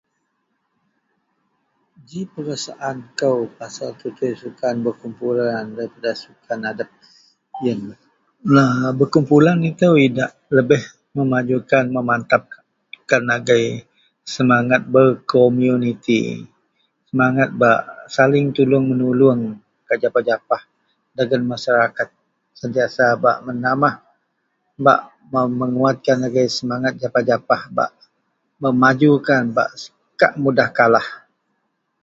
ji perasaan kou pasal tutui sukan berkumpulan daripada sukan adep ien, aa berkumpulan itou diak lebih memajukan memantapkan agei semangat berkomuniti, semangat bak saling tulung menulung gak japah-japah dagen masyarakat sentiasa bak menambah bak me menguatkan agei semangat japah-japah, bak memajukan bak kak mudah kalah